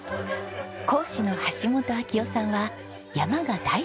講師の橋本昭男さんは山が大好きな方。